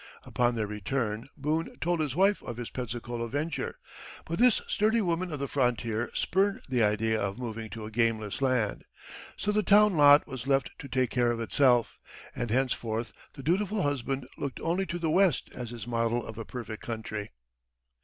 Upon their return Boone told his wife of his Pensacola venture, but this sturdy woman of the frontier spurned the idea of moving to a gameless land. So the town lot was left to take care of itself, and henceforth the dutiful husband looked only to the West as his model of a perfect country.